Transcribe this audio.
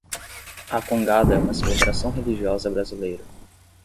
A congada é uma celebração religiosa brasileira